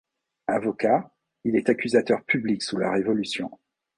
Avocat, il est accusateur public sous la Révolution.